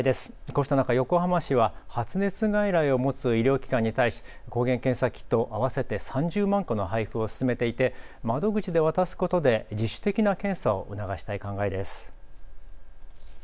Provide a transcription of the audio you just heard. こうした中、横浜市は発熱外来を持つ医療機関に対し抗原検査キット合わせて３０万個の配布を進めていて窓口で渡すことで自主的な検査を促したい考えです。